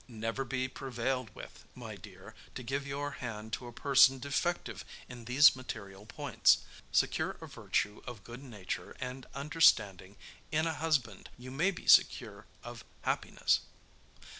"Never be prevailed with, my dear, to give your hand to a person defective in these material points. Secure of virtue, of good nature, and understanding, in a husband, you may be secure of happiness.